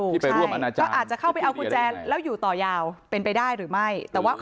ไปร่วมอนาจารก็อาจจะเข้าไปเอากุญแจแล้วอยู่ต่อยาวเป็นไปได้หรือไม่แต่ว่า